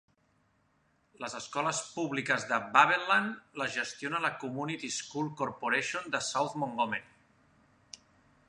Les escoles públiques de Waveland les gestiona la Community School Corporation de South Montgomery.